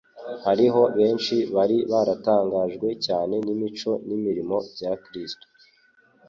Hariho benshi bari baratangajwe cyane n'imico n'imirimo bya Kristo;